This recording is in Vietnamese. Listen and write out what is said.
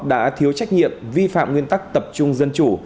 đã thiếu trách nhiệm vi phạm nguyên tắc tập trung dân chủ